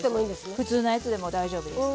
普通のやつでも大丈夫です。